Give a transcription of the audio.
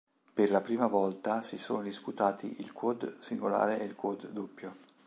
Per la prima volta si sono disputati il quad singolare e il quad doppio.